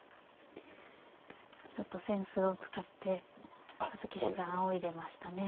ちょっと扇子を使って佐々木七段あおいでましたね。